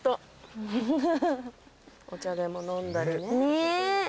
お茶でも飲んだりね。